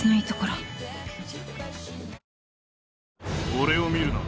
・俺を見るな。